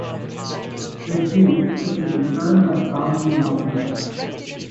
This view was quickly confirmed by the problems around him.